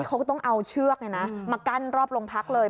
เขาก็ต้องเอาเชือกมากั้นรอบโรงพักเลย